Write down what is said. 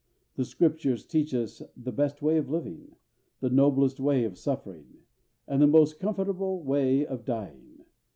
The Scriptures teach us the best way of living, the noblest way of suffering, and the most comfortable way of dying.